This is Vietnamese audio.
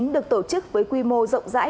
được tổ chức với quy mô rộng rãi